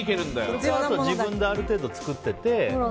普通は自分である程度、作ってて。